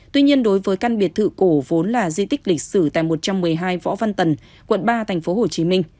tuy nhiên đối với căn biệt thự cổ vốn là di tích lịch sử tại một trăm một mươi hai võ văn tần quận ba tp hcm